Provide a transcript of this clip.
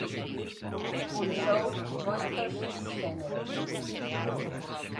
Pulsou moitos xéneros.